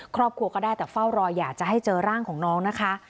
ครอบครัวก็ได้แต่เฝ้ารออยากจะให้เจอร่างของน้องนะคะ